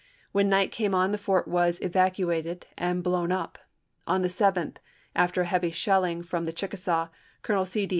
When night came on the fort was evacuated and blown Aug., 1864. up. On the 7th, after a heavy shelling from the Chickasaiv, Colonel C. D.